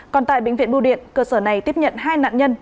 còn tại bệnh viện bưu điện cơ sở này tiếp nhận hai nạn nhân